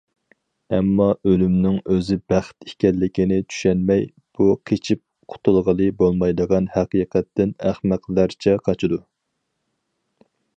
ئەمما ئۆلۈمنىڭ ئۆزى بەخت ئىكەنلىكىنى چۈشەنمەي، بۇ قېچىپ قۇتۇلغىلى بولمايدىغان ھەقىقەتتىن ئەخمەقلەرچە قاچىدۇ.